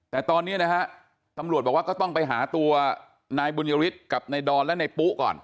แต่ตอนนี้นะฮะตำรวจบอกว่าก็ต้องไปหาตัวนายบุญยฤทธิ์กับนายดอนและในปุ๊ก่อน